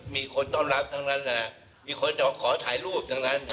มีคนต้อนรับทั้งนั้นมีคนขอถ่ายรูปทั้งนั้น